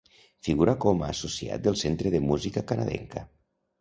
Figura com a associat del Centre de Música Canadenca.